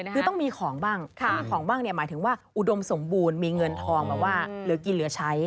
คือต้องมีของบ้างของบ้างหมายถึงว่าอุดมสมบูรณ์มีเงินทองเหมือนว่าเหลือกินเหลือใช้